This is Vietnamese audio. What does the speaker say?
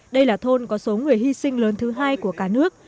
đây là thôn có số người hy sinh lớn thứ hai của cả nước